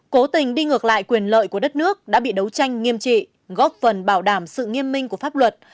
cố tình đi ngược lại quyền lợi của đất nước đã bị đấu tranh nghiêm trị góp phần bảo đảm sự nghiêm minh của pháp luật